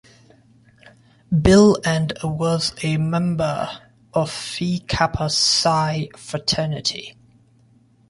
Bill, and was a member of Phi Kappa Psi fraternity.